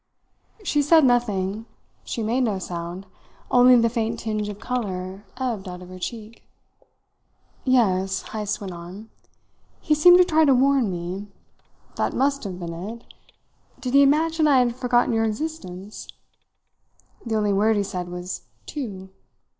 She said nothing; she made no sound, only the faint tinge of colour ebbed out of her cheek. "Yes," Heyst went on. "He seemed to try to warn me. That must have been it Did he imagine I had forgotten your existence? The only word he said was 'two'.